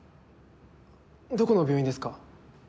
どこの病院ですか？